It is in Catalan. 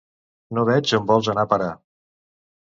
No veig on vols anar a parar.